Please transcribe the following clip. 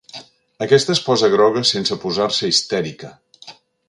Aquesta es posa groga sense posar-se histèrica.